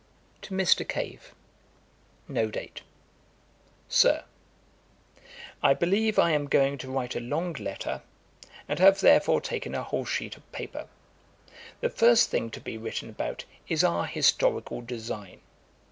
'To MR. CAVE. [No date] 'Sir, 'I believe I am going to write a long letter, and have therefore taken a whole sheet of paper. The first thing to be written about is our historical design.